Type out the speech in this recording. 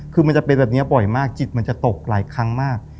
คือมันจะเป็นแบบนี้บ่อยมากจิตมันจะตกหลายครั้งมาก